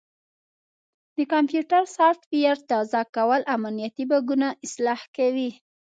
د کمپیوټر سافټویر تازه کول امنیتي بګونه اصلاح کوي.